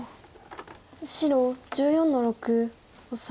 白１４の六オサエ。